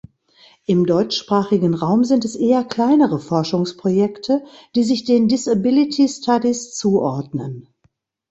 Im deutschsprachigen Raum sind es eher kleinere Forschungsprojekte, die sich den Disability Studies zuordnen.